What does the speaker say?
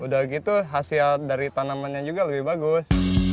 udah gitu hasil dari tanamannya juga lebih bagus